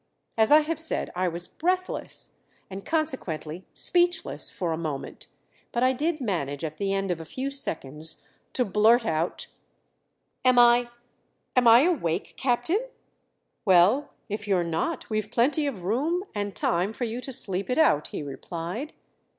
As I have said, I was breathless, and consequently speechless, for a moment; but I did manage at the end of a few seconds to blurt out: "Am I am I awake, Captain?" "Well if you're not, we've plenty of room and time for you to sleep it out," he replied.